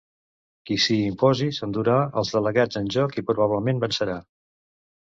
Qui s’hi imposi s’endurà els delegats en joc i probablement vencerà.